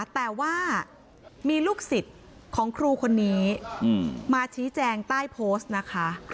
แต่ว่ามีลูกศิษย์ของครูคนนี้มาชี้แจงใต้โพสต์นะคะ